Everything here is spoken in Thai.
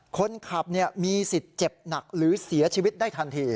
คนขับมีสิทธิ์เจ็บหนักหรือเสียชีวิตได้ทันที